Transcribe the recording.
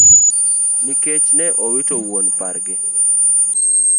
Nikech ne owito wuon pargi.